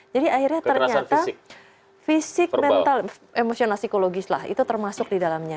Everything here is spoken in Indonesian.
jadi akhirnya ternyata fisik mental emosional psikologis lah itu termasuk di dalamnya